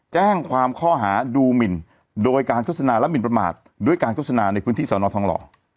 แจ้งความข้อหาดูหมินโดยการโฆษณาและหมินประมาทด้วยการโฆษณาในพื้นที่สอนอทองหล่อ